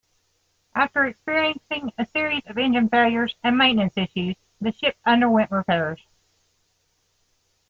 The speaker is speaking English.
After experiencing a series of engine failures and maintenance issues, the ship underwent repairs.